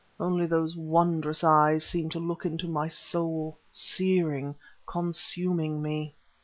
Only those wondrous eyes seemed to look into my soul, searing, consuming me.